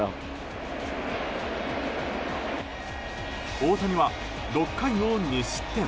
大谷は６回を２失点。